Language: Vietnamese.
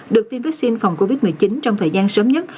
được tiêm vaccine phòng covid một mươi chín trong thời gian sớm nhất